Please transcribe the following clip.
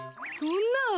そんな！